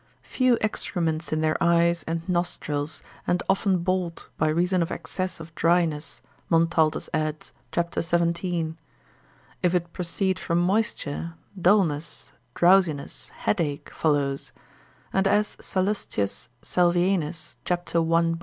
Few excrements in their eyes and nostrils, and often bald by reason of excess of dryness, Montaltus adds, c. 17. If it proceed from moisture: dullness, drowsiness, headache follows; and as Salust. Salvianus, c. 1, l.